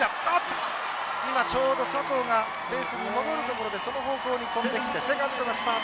今、ちょうど佐藤がベースに戻るところでその方向に飛んできてセカンドがスタート。